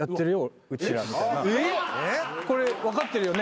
「これ分かってるよね？」